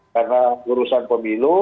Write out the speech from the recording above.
karena urusan pemilu